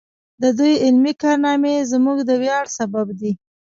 د دوی علمي کارنامې زموږ د ویاړ سبب دی.